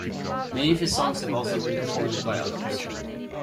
Many of his songs have also been performed by others.